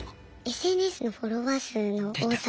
ＳＮＳのフォロワー数の多さ。